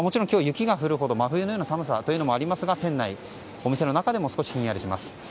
今日は雪が降るほど真冬のような寒さということもありますがお店の中でも少しひんやりします。